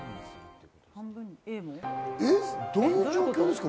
どういう状況ですか？